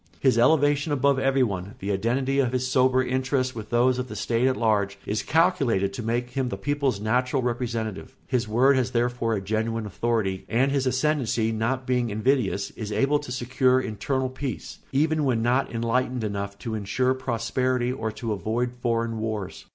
His elevation above everyone, the identity of his sober interests with those of the state at large, is calculated to make him the people's natural representative; his word has therefore a genuine authority, and his ascendency, not being invidious, is able to secure internal peace, even when not enlightened enough to insure prosperity or to avoid foreign wars.